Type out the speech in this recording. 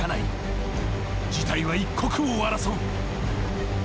［事態は一刻を争う］